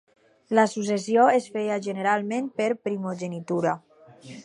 La successió es feia generalment per primogenitura.